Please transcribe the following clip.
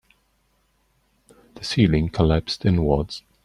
The ceiling collapsed inwards.